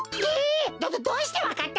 どどうしてわかったってか？